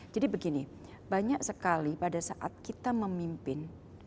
jadi begini banyak sekali pada saat kita memimpin